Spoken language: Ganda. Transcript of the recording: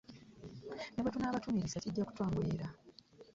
Ne bwe tunaabatumirizza kijja kutwanguyira.